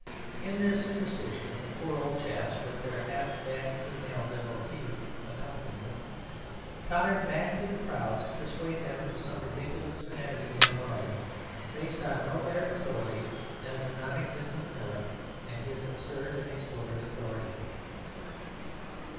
In their superstition the poor old chaps, with their half daft female devotees accompanying them, tottered back to the crowds to persuade them to some ridiculous fanaticism or other, based on no better authority than the non existent Melek and his absurd and exploded authority.